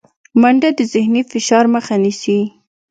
منډه د ذهني فشار مخه نیسي